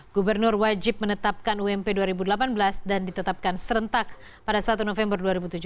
gubernur wajib menetapkan ump dua ribu delapan belas dan ditetapkan serentak pada satu november dua ribu tujuh belas